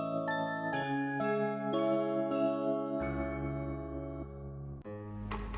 ketika dia pergi